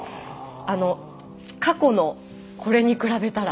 過去のこれに比べたら。